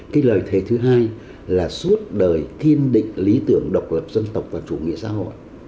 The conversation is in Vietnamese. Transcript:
cái lời thề thứ hai là suốt đời kiên định lý tưởng độc lập dân tộc và chủ nghĩa xã hội